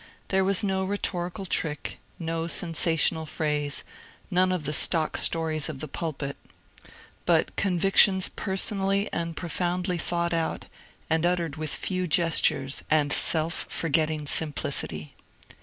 There was no rhetorical trick, no sensational phrase, none of the stock stories of the pulpit, but convictions personally and profoundly thought out and uttered with few gestures and self forgetting simplicity.